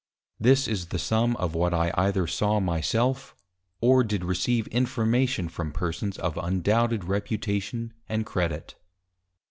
_ This is the sum of what I either saw my self, or did receive Information from persons of undoubted Reputation and Credit.